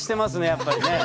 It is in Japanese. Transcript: やっぱりね。